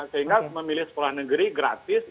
sehingga memilih sekolah negeri gratis